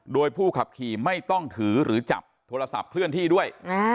โดยผู้ขับขี่ไม่ต้องถือหรือจับโทรศัพท์เคลื่อนที่ด้วย